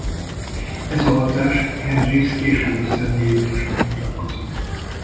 Ez a hatás Hendrix későbbi zenéjében is megmutatkozik.